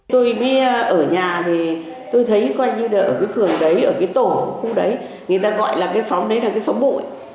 tôi mới ở nhà thì tôi thấy coi như là ở cái phường đấy ở cái tổ khu đấy người ta gọi là cái xóm đấy là cái xóm bụi